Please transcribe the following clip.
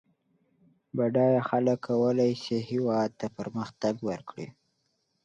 بډای خلک کولای سي هېواد ته پرمختګ ورکړي